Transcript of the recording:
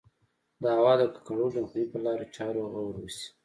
د هوا د ککړولو د مخنیوي په لارو چارو غور وشي.